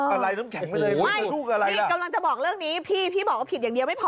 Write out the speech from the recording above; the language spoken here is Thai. อะไรน้ำแข็งไปเลยไหมไม่ลูกอะไรพี่กำลังจะบอกเรื่องนี้พี่พี่บอกว่าผิดอย่างเดียวไม่พอ